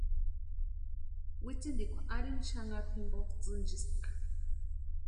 Witsintikwa arini xanharu jimpo tsïnchispka.